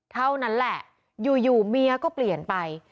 เท่านั้นแหละอยู่เมียก็เปลี่ยนไป